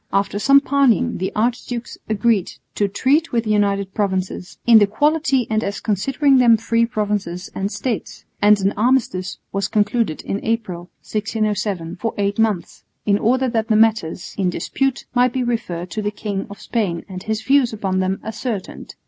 After some parleying the archdukes agreed to treat with the United Provinces "in the quality and as considering them free provinces and states," and an armistice was concluded in April, 1607, for eight months, in order that the matters in dispute might be referred to the King of Spain and his views upon them ascertained.